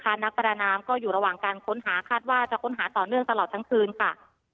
นักประดาน้ำก็อยู่ระหว่างการค้นหาคาดว่าจะค้นหาต่อเนื่องตลอดทั้งคืนค่ะ